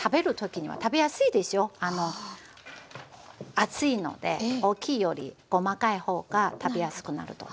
熱いので大きいより細かい方が食べやすくなると思います。